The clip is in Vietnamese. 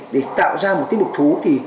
để tạo ra một tí mục thú thì